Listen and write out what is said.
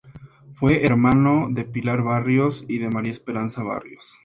Fue hermano de Pilar Barrios y de María Esperanza Barrios.